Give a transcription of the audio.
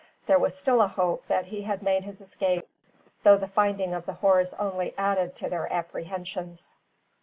There was still a hope that he had made his escape, though the finding of the horse only added to their apprehensions.